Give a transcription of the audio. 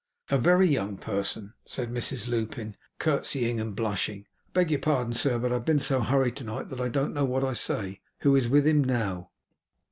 'A very young person,' said Mrs Lupin, curtseying and blushing; ' I beg your pardon, sir, but I have been so hurried to night, that I don't know what I say who is with him now.